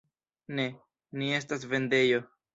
Ne, ni estas vendejo.